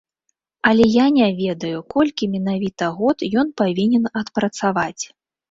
Але я не ведаю, колькі менавіта год ён павінен адпрацаваць.